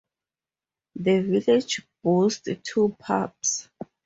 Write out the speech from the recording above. The village boasts two pubs.